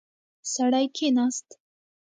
سړی کېناست.